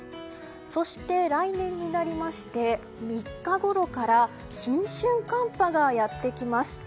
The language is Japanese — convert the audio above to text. そして、来年になりまして３日ごろから新春寒波がやってきます。